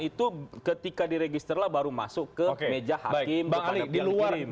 itu ketika diregister lah baru masuk ke meja hakim